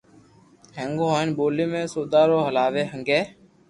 ھگو ھين ٻولي ۾ سودا رو لاوي ھگي